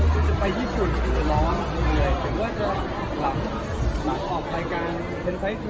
คือจริงเราก็ไม่คิดว่ามือเดอะ่มือเกินรู้ด้วย